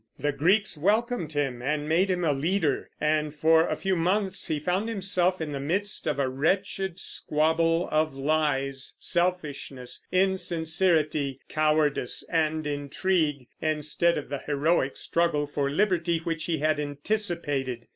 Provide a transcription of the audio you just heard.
The Greeks welcomed him and made him a leader, and for a few months he found himself in the midst of a wretched squabble of lies, selfishness, insincerity, cowardice, and intrigue, instead of the heroic struggle for liberty which he had anticipated.